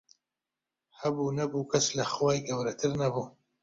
هەبوو نەبوو کەس لە خوای گەورەتر نەبوو